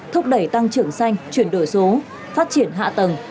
thúc đẩy tăng trưởng xanh chuyển đổi số phát triển hạ tầng